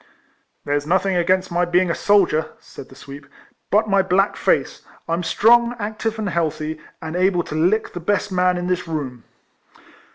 There 's nothing against my being a soldier," said the sweep, " but my black face; I 'm strong, active, and healthy, and able to lick the best man in this room."